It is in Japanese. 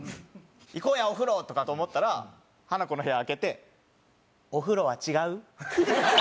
「行こうやお風呂！」かと思ったらハナコの部屋開けて「お風呂は違う？」。